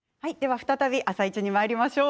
再び「あさイチ」にまいりましょう。